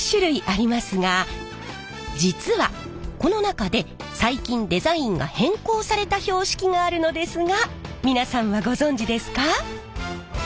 実はこの中で最近デザインが変更された標識があるのですが皆さんはご存じですか？